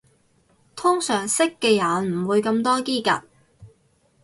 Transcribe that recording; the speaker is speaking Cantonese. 通常識嘅人唔會咁多嘰趷